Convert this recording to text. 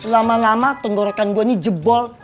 lama lama tenggorokan gue ini jebol